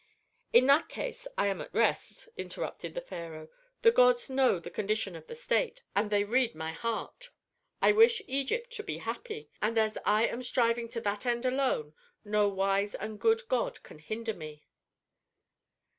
"In that case I am at rest," interrupted the pharaoh. "The gods know the condition of the state, and they read my heart. I wish Egypt to be happy. And as I am striving to that end alone no wise and good god can hinder me."